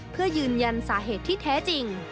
เพื่อยืนยันสาเหตุที่แท้จริง